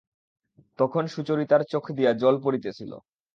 তখন সুচরিতার চোখ দিয়া জল পড়িতেছিল।